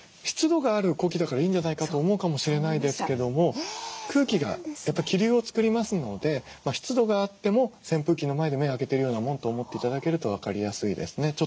湿度がある呼気だからいいんじゃないかと思うかもしれないですけども空気がやっぱり気流を作りますので湿度があっても扇風機の前で目開けてるようなもんと思って頂けると分かりやすいですね。